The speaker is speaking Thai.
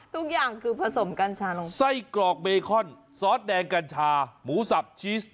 ทุกอย่างคือผสมกัญชาลงไส้กรอกเบคอนซอสแดงกัญชาหมูสับชีส